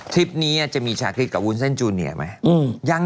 ทริปนี้จะมีชาคิดกับวุ้นเซ่นจูเนียร์ไหม